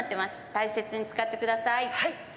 大切に使ってください。